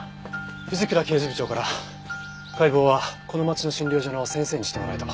藤倉刑事部長から解剖はこの町の診療所の先生にしてもらえと。